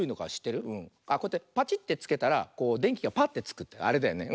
こうやってパチッてつけたらでんきがパッてつくあれだよね。